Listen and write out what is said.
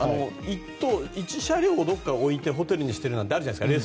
１車両をどこかに置いてホテルにしてるのはあるじゃないですか。